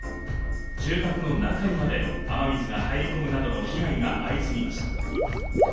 住宅の中にまで雨水が入り込むなどの被害が相次ぎました。